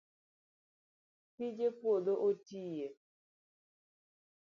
tije puodho otiye